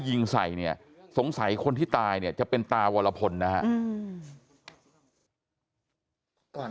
ยิงใส่เนี่ยสงสัยคนที่ตายเนี่ยจะเป็นตาวรพลนะครับ